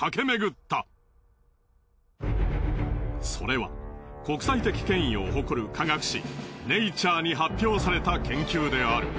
それは国際的権威を誇る科学誌『ｎａｔｕｒｅ』に発表された研究である。